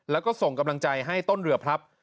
แล้วก็ส่งกำลังใจให้ต้นเรือพลับ